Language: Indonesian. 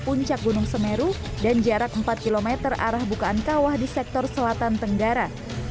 puncak gunung semeru dan jarak empat km arah bukaan kawah di sektor selatan tenggara